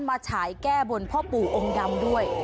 ฉายแก้บนพ่อปู่องค์ดำด้วย